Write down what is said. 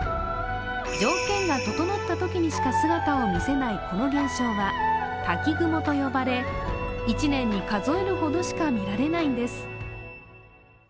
条件が整ったときにしか姿を見せないこの現象は、滝雲と呼ばれ、一年に数えるほどしか見られないんです。